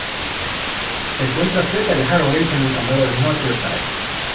Se encuentra cerca de Harrogate en el condado de North Yorkshire.